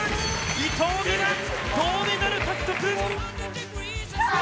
伊藤美誠、銅メダル獲得！